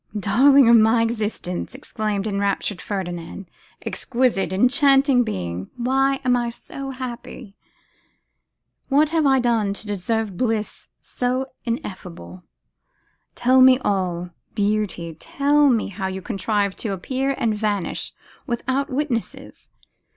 'Darling of my existence!' exclaimed the enraptured Ferdinand, 'exquisite, enchanting being! Why am I so happy? What have I done to deserve bliss so ineffable? But tell me, beauty, tell me how you contrived to appear and vanish without witnesses?